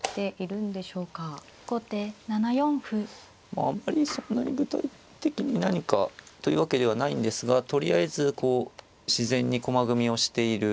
まああんまりそんなに具体的に何かというわけではないんですがとりあえずこう自然に駒組みをしている。